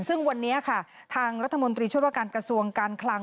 ซึ่งวันนี้ค่ะทางรัฐมนตรีช่วยว่าการกระทรวงการคลัง